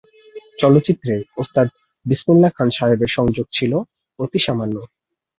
চলচ্চিত্রে ওস্তাদ বিসমিল্লাহ খান সাহেবের সংযোগ ছিল অতি সামান্য।